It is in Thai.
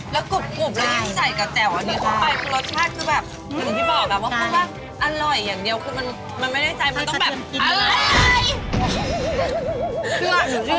แล้วกรูปแล้วยิ่งใสกระแจวอันนี้ค่ะมันคือรสชาติคือแบบถึงที่บอกอะว่าคือว่าอร่อยอย่างเดียวคือมันไม่ได้ใจมันต้องแบบเอ้ย